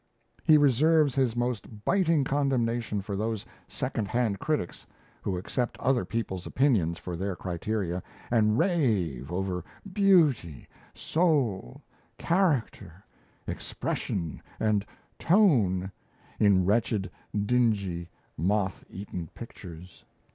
He reserves his most biting condemnation for those second hand critics who accept other people's opinions for their criteria, and rave over "beauty," "soul," "character," "expression" and "tone" in wretched, dingy, moth eaten pictures.